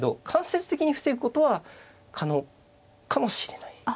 間接的に防ぐことは可能かもしれない。